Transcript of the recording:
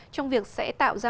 trong việc sẽ tạo ra